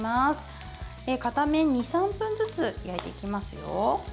片面２３分ずつ焼いていきますよ。